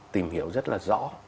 tìm hiểu rất là rõ